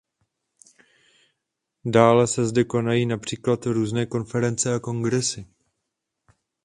Dále se zde konají například různé konference a kongresy.